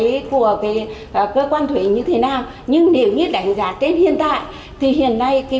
thuế của cái cơ quan thuế như thế nào nhưng nếu như đánh giá tết hiện tại thì hiện nay cái